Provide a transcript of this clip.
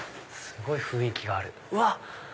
すごい雰囲気がある。